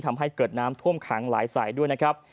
ทำให้เกิดน้ำท่วมขังหลายสายด้วยนะครับ